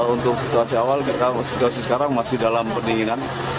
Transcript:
untuk situasi awal situasi sekarang masih dalam pendinginan